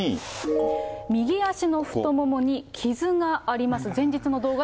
右足の太ももに傷があります。